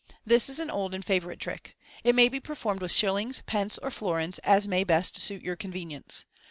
— This is an old and favourite trick. It may be performed with shillings, pence, or florins, as may best suit your convenience.